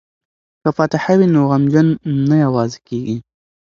که فاتحه وي نو غمجن نه یوازې کیږي.